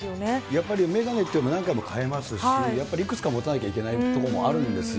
やっぱり眼鏡っていうのは何回も変えますし、やっぱりいくつか持たなきゃいけないこともあるんですよ。